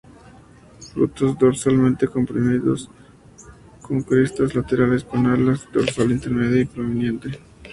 Frutos dorsalmente comprimidos, con crestas laterales con alas, dorsal intermedio y prominente.